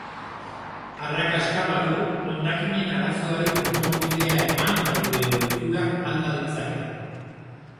Arrakasta badu, hondakinen arazoari konponbidea eman eta gure ohiturak alda ditzake.